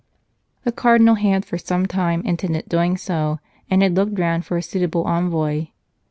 The Cardinal had for some time intended doing so, and had looked round for a suitable envoy.